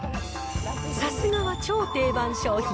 さすがは超定番商品。